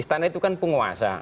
istana itu kan penguasa